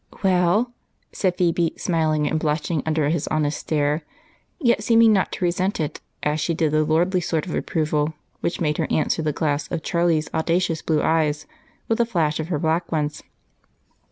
"Well?" said Phebe, smiling and blushing under his honest stare, yet seeming not to resent it as she did the lordly sort of approval which made her answer the glance of Charlie's audacious blue eyes with a flash of her black ones.